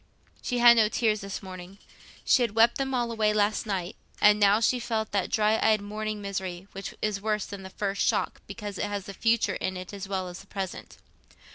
She had no tears this morning. She had wept them all away last night, and now she felt that dry eyed morning misery, which is worse than the first shock because it has the future in it as well as the present.